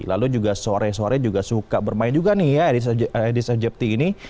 lalu juga sore sore juga suka bermain juga nih ya adhis aegypti ini